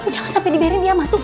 jangan sampai diberi dia masuk